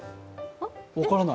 分からない。